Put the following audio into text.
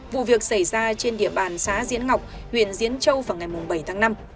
vụ việc xảy ra trên địa bàn xã diễn ngọc huyện diễn châu vào ngày bảy tháng năm